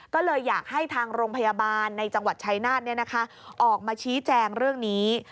ก็เลยอยากให้ทางโรงพยาบาลในจังหวัดชายนาฏออกมาชี้แจงเรื่องนี้